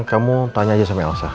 kamu tanya aja sama elsa